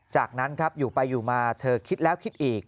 จากนั้นครับอยู่ไปอยู่มาเธอคิดแล้วคิดอีก